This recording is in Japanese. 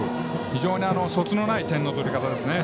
非常にそつのない点の取り方ですね。